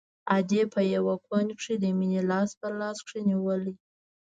ادې په يوه کونج کښې د مينې لاس په لاس کښې نيولى.